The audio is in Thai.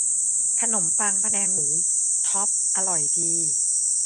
ขนมปังพะแนงหมู ท็อปส์ อร่อยดี